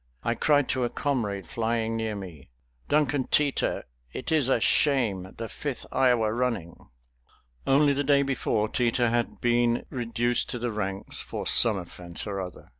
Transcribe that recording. I cried to a comrade flying near me, "Duncan Teter, it is a shame the Fifth Iowa running." Only the day before Teter had been reduced to the ranks for some offense or another.